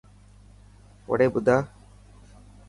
وڙي ٻڌا.